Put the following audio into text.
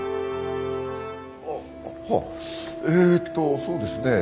えっとそうですね